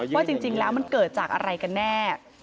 ว่าจริงแล้วมันเกิดจากอะไรกันแน่